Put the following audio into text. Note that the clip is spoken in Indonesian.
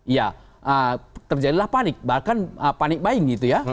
ya terjadilah panik bahkan panik buying gitu ya